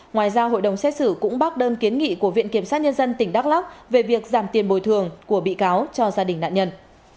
ngoài ra hội đồng xét xử cũng bác đơn kiến nghị của viện kiểm sát nhân dân tỉnh đắk lắc về việc giảm tiền bồi thường của bị cáo cho gia đình nạn nhân